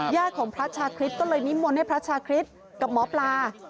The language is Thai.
ของพระชาคริสก็เลยนิมนต์ให้พระชาคริสต์กับหมอปลา